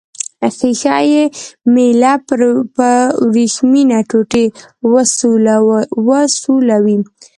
ښيښه یي میله په وریښمینه ټوټې وسولوئ.